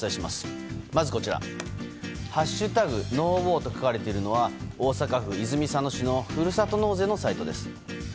まずこちら、「＃ＮＯＷＡＲ」と書かれているのは大阪府泉佐野市のふるさと納税のサイトです。